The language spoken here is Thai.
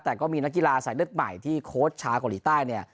แต่ก็มีนักกีฬาใส่เลือดใหม่ที่โค้ชชากว่าหลีดใต้